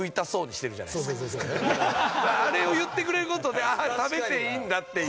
あれを言ってくれる事であっ食べていいんだっていう。